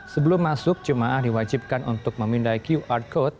sebelum masuk jemaah diwajibkan untuk memindai qr code